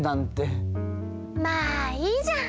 まあいいじゃん！